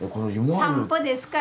散歩ですか？